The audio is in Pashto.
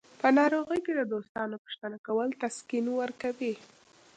په ناروغۍ کې د دوستانو پوښتنه کول تسکین ورکوي.